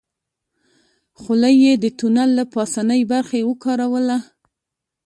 خولۍ يې د تونل له پاسنۍ برخې وکاروله.